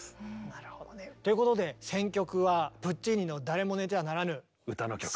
なるほどね。ということで選曲はプッチーニの「誰も寝てはならぬ」。歌の曲。